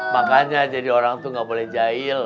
makanya jadi orang tuh gak boleh jahil